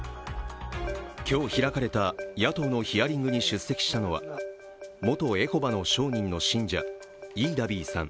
今日開かれた野党のヒアリングに出席したのは、元エホバの証人の信者ｉｉｄａｂｉｉさん。